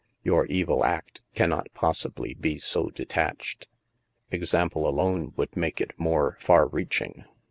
Your evil act cannot possibly be so detached. Example, alone, would make it more far reaching.